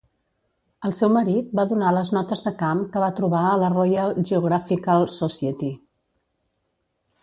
El seu marit va donar les notes de camp que va trobar a la Royal Geographical Society.